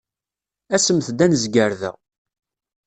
Asemt-d ad nezger da.